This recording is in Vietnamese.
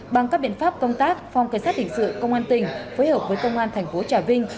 bằng các biện pháp công tác phòng cảnh sát hình sự công an tỉnh phối hợp với công an thành phố trà vinh